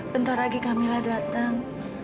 bentar lagi kamila datang